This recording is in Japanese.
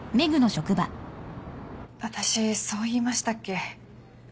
私そう言いましたっけ？